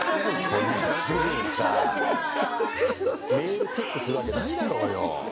そんなすぐにさ、メールチェックするわけないだろうよ。